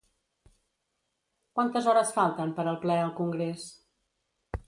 Quantes hores falten per al ple al congrés?